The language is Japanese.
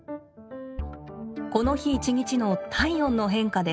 この日一日の体温の変化です。